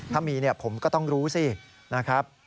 ถ้ามีผมก็ต้องรู้สินะครับ